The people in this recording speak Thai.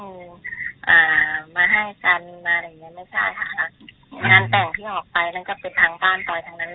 มาให้แซนมาอะไรอย่างเงี้ยไม่ใช่ค่ะงานแต่งที่ออกไปแล้วจะเป็นทางบ้านตรอยทางนั้นเลย